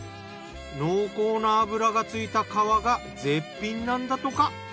濃厚な脂がついた皮が絶品なんだとか。